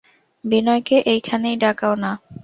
বিনয়কে এইখানেই ডাকাও-না।